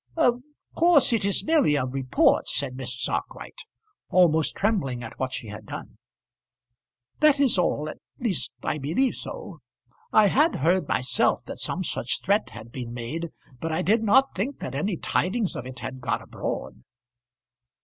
"Of course it is merely a report," said Mrs. Arkwright, almost trembling at what she had done. "That is all at least I believe so. I had heard myself that some such threat had been made, but I did not think that any tidings of it had got abroad."